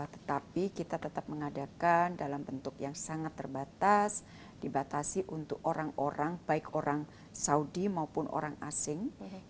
tetapi kita tetap mengadakan dalam bentuk yang sangat terbatas dibatasi untuk orang orang baik orang saudi maupun orang asing